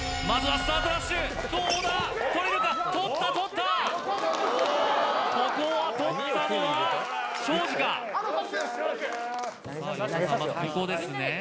まずここですね